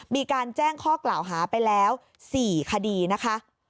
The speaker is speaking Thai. มีการแจ้งข้อกล่าวหาไปแล้ว๔คดีนะคะ